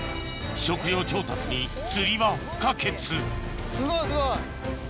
食料調達に釣りは不可欠すごいすごい。